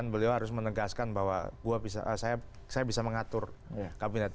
beliau harus menegaskan bahwa saya bisa mengatur kabinet